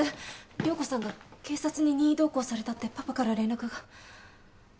涼子さんが警察に任意同行されたってパパから連絡が。